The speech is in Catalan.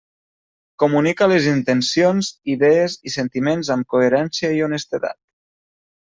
Comunica les intencions, idees i sentiments amb coherència i honestedat.